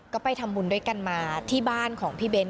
ก็ไปทำบุญด้วยกันมาที่บ้านของพี่เบ้น